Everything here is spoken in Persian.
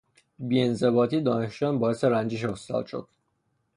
بیانضباطی دانشجویان باعث رنجش استاد شد.